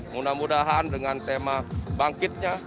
mudah mudahan dengan tema bangkitnya